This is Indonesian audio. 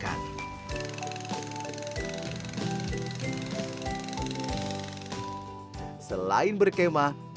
selain berkemah barangnya juga berkemah yang berbeda